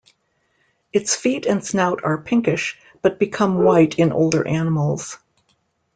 Its feet and snout are pinkish, but become white in older animals.